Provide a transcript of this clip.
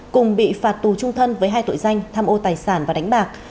cùng bị phạt tù trung thân với hai tội danh tham ô tài sản và đánh bạc